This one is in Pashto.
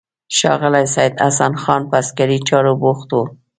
ښاغلی سید حسن خان په عسکري چارو بوخت و.